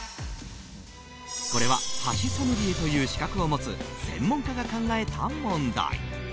これは箸ソムリエという資格を持つ専門家が考えた問題。